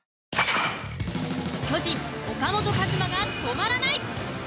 巨人、岡本和真が止まらない。